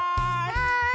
はい！